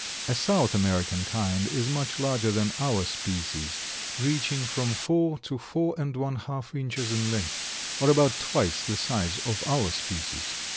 A South American kind is much larger than our species, reaching from four to four and one half inches in length, or about twice the size of our species.